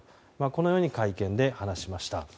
このように会見で話しました。